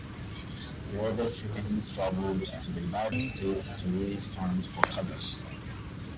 Roberts frequently travelled to the United States to raise funds for the college.